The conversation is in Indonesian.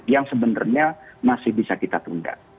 yang sebenarnya masih bisa kita tunda